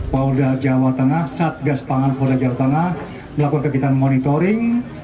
polda jawa tengah satgas pangan polda jawa tengah melakukan kegiatan monitoring